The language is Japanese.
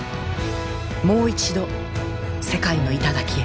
もう一度世界の頂へ。